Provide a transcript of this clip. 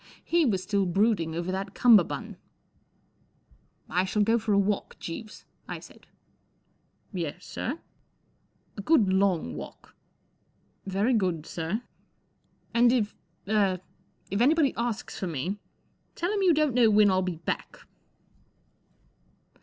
He was still brooding over that cummerbund. ' I shall go for a walk. Jeeves/" I said, ,f Yes* sir ?"" A good long walk. 1 '" Very good* sir." " And if—er—if anybody asks for me, tell 'em you don't know when I'll be back."